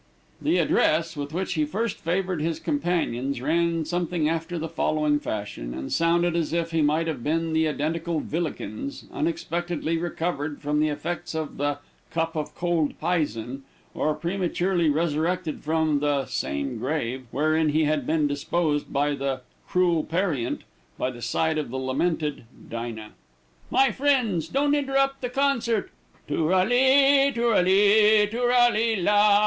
The address with which he first favored his companions ran something after the following fashion and sounded as if he might have been the identical Vilikins, unexpectedly recovered from the effects of the "cup of cold pison," or prematurely resurrected from the "same grave," wherein he had been disposed by the "cruel parient" by the side of the lamented "Dinah." "My friends, don't interrupt the concert too ral li, too ral li, too ral li la.